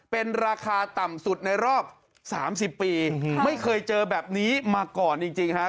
เป็นราคาต่ำสุดในรอบ๓๐ปีไม่เคยเจอแบบนี้มาก่อนจริงฮะ